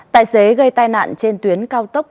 tại xế gây tai nạn trên tuyến cao tốc